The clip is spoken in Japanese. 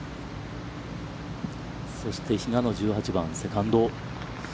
そして、比嘉の１８番、セカンド。